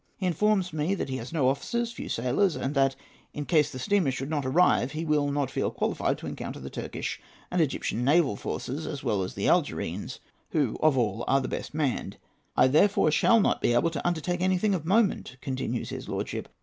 He informs me that he has no officers, few sailors; and that, in case the steamers should not arrive, he will not feel qualified to encounter the Turkish and Egyptian naval forces, as well as the Algerines, who of all are the best manned. 'I therefore shall not be able to undertake anything of moment,' continues his lordship.